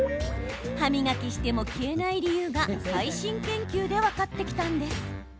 歯磨きしても消えない理由が最新研究で分かってきたんです。